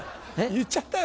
言っちゃったよ